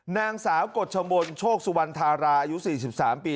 นางสาวกฎชมนต์โชคสุวรรณฑาราอายุสี่สิบสามปี